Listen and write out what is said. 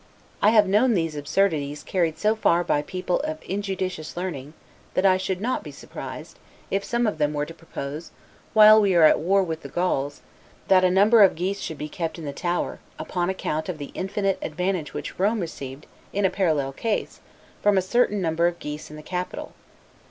I have known these absurdities carried so far by people of injudicious learning, that I should not be surprised, if some of them were to propose, while we are at war with the Gauls, that a number of geese should be kept in the Tower, upon account of the infinite advantage which Rome received IN A PARALLEL CASE, from a certain number of geese in the Capitol.